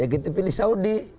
kita pilih saudi